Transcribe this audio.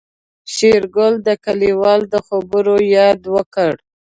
شېرګل د کليوال د خبرو ياد وکړ.